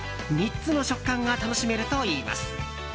３つの食感が楽しめるといいます。